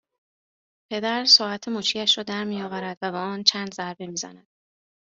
پدر ساعت مچیاش را درمیآورد و به آن چند ضربه میزند